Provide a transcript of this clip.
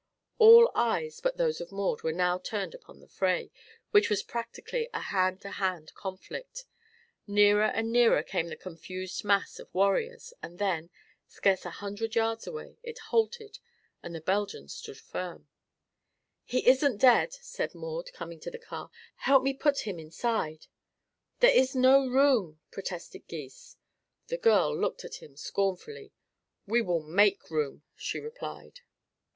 All eyes but those of Maud were now turned upon the fray, which was practically a hand to hand conflict. Nearer and nearer came the confused mass of warriors and then, scarce a hundred yards away, it halted and the Belgians stood firm. "He isn't dead," said Maud, coming to the car. "Help me to put him inside." "There is no room," protested Gys. The girl looked at him scornfully. "We will make room," she replied.